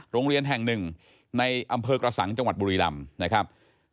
โรงเรียนแห่งหนึ่งในอำเภอกระสังจังหวัดบุรีรำนะครับ